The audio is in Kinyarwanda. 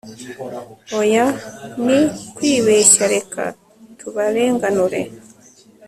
Oya ni kwibeshya reka tubarenganure